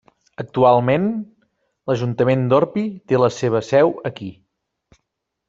Actualment, l'Ajuntament d'Orpí té la seva seu aquí.